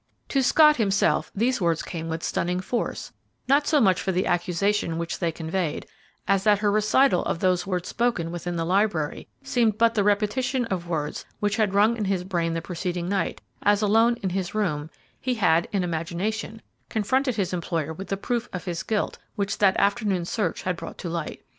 To Scott himself, these words came with stunning force, not so much for the accusation which they conveyed, as that her recital of those words spoken within the library seemed but the repetition of words which had rung in his brain the preceding night, as, alone in his room, he had, in imagination, confronted his employer with the proof of his guilt which that afternoon's search had brought to light.